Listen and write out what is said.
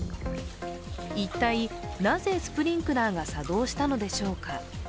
一体なぜスプリンクラーが作動したのでしょうか。